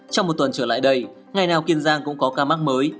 trong một tuần trở lại đây ngày nào kiên giang cũng có ca mắc mới